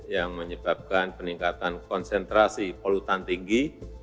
yang menyebabkan peningkatan konsentrasi polutan tinggi